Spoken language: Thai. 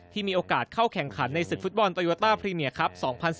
มีโอกาสเข้าแข่งขันในศึกฟุตบอลโตโยต้าพรีเมียครับ๒๐๑๙